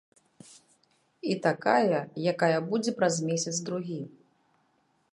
І такая, якая будзе праз месяц-другі.